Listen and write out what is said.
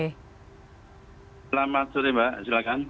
selamat sore mbak silakan